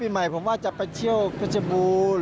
ใหม่ผมว่าจะไปเที่ยวเพชรบูรณ์